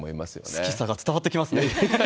好きさが伝わってきますね。